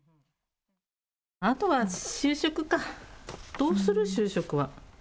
あとは就職か、どうする就職は。